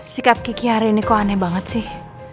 sikap kiki hari ini kok aneh banget sih